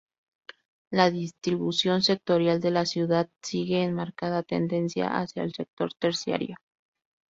La distribución sectorial de la ciudad sigue una marcada tendencia hacia el sector terciario.